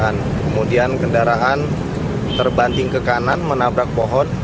laju kendaraan kemudian kendaraan terbanting ke kanan menabrak pohon